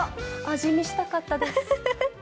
味見したかったです。